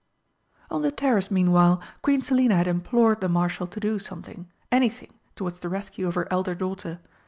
On the terrace meanwhile Queen Selina had implored the Marshal to do something anything towards the rescue of her elder daughter.